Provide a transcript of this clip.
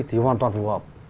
thì hoàn toàn phù hợp